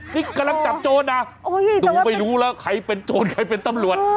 นี่กำลังจับโจรนะดูไม่รู้แล้วใครเป็นโจรใครเป็นตำรวจ